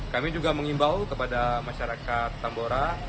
kami juga mengimbau kepada masyarakat tambora